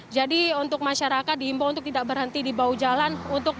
jadi untuk masyarakat dihimbau untuk tidak berhenti di bahu jalan